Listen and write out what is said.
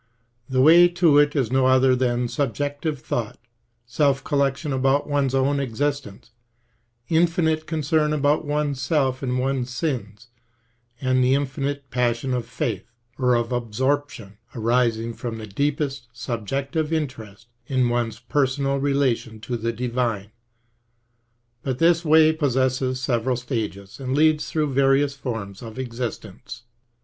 The way to it is no other than subjective thought, self collection about one's own existence, infinite concern about one's self and one's sins, and the infinite passion of faith or of absorption, arising from the deepest subjective interest in one's per sonal relation to the divine. But this way possesses several stages, and leads through various forms of existence.